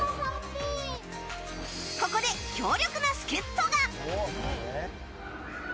ここで、強力な助っ人が。